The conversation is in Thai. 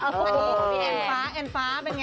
ดูแอลฟ้าเป็นอย่างไรครับ